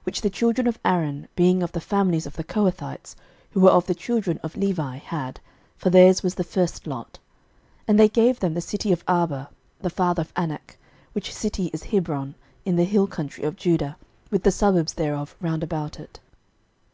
06:021:010 Which the children of Aaron, being of the families of the Kohathites, who were of the children of Levi, had: for theirs was the first lot. 06:021:011 And they gave them the city of Arba the father of Anak, which city is Hebron, in the hill country of Judah, with the suburbs thereof round about it.